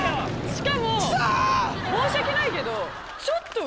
しかも申し訳ないけど。